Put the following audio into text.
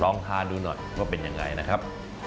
ลองทานดูหน่อยว่าเป็นยังไงนะครับ